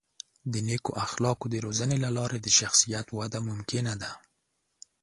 د نیکو اخلاقو د روزنې له لارې د شخصیت وده ممکنه ده.